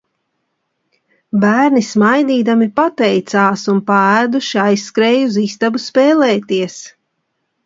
Bērni smaidīdami pateicās un paēduši aizskrēja uz istabu spēlēties.